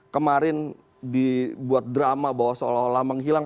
kemarin dibuat drama bahwa seolah olah menghilang